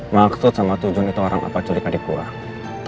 maksud sama tujuan itu orang apa culikan adik gue